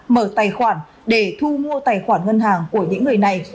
mở tài khoản để thu mua tài khoản ngân hàng của những người này